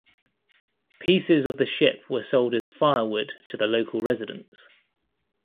Pieces of the ship were sold as firewood to the local residents.